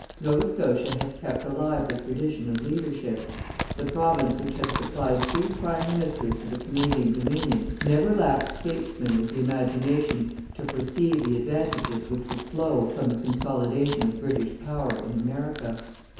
Nova Scotia had kept alive the tradition of leadership. The province which has supplied three prime ministers to the Canadian Dominion never lacked statesmen with the imagination to perceive the advantages which would flow from the consolidation of British power in America.